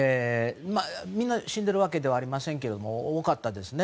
みんな死んでいるわけではありませんが、多かったですね。